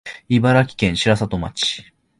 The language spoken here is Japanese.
茨城県城里町